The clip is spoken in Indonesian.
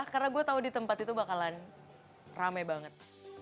karena gue tahu di tempat itu bakalan rame banget